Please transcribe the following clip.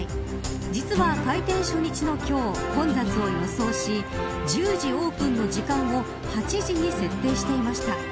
実は、開店初日の今日混雑を予想し１０時オープンの時間を８時に設定していました。